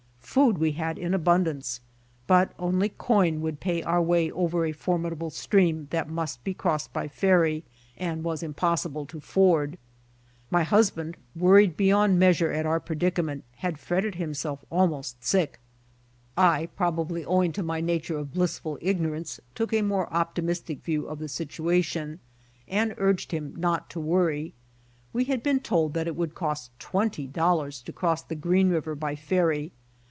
Food we had in abundance, but only coin would pay our way over a formidable stream that must be crossed by ferry and was impossible to ford. My husband, worried beyond measure at. our predica ment, had fretted himself almost sick. I, probably owing to my nature of blissful ignorance, took a more optimistic view of the situation and urged him not 88 BY ox TEAM TO CALIFORNIA to worry. We had been told that it would cost twenty dollars to cross the Green river by ferry.